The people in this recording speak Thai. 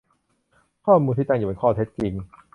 ข้อมูลที่ตั้งอยู่บนข้อเท็จจริง